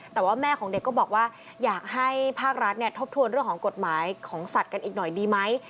แต่ว่าแม่ของเด็กก็บอกว่าอยากให้ภาครัฐทบทวนเรื่องของกฎหมายของสัตว์กันอีกหน่อยดีไหม